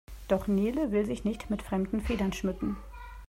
Doch Nele will sich nicht mit fremden Federn schmücken.